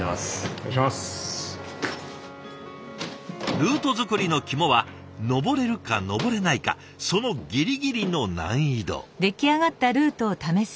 ルート作りの肝は登れるか登れないかそのギリギリの難易度。